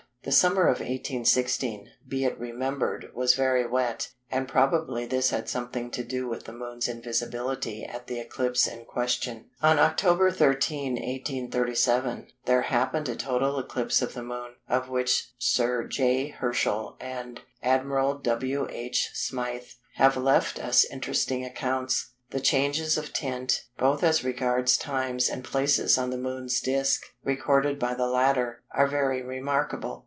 The summer of 1816, be it remembered, was very wet, and probably this had something to do with the Moon's invisibility at the eclipse in question. On October 13, 1837, there happened a total eclipse of the Moon, of which Sir J. Herschel and Admiral W. H. Smyth have left us interesting accounts. The changes of tint, both as regards times and places on the Moon's disc, recorded by the latter, are very remarkable.